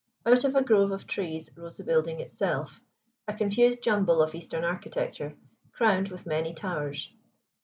Out of a grove of trees rose the building itself, a confused jumble of Eastern architecture crowned with many towers.